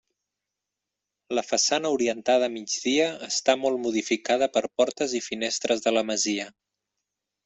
La façana orientada a migdia està molt modificada per portes i finestres de la masia.